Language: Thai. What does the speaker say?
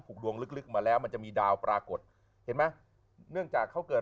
ดวงลึกมาแล้วมันจะมีดาวปรากฏเห็นไหมเนื่องจากเขาเกิด